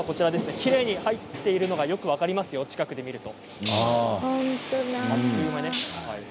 きれいに入っているのがよく分かりますよ、近くで見ると。